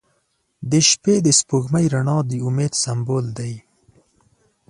• د شپې د سپوږمۍ رڼا د امید سمبول دی.